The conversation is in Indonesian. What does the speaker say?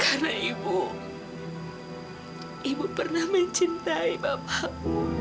karena ibu ibu pernah mencintai bapakmu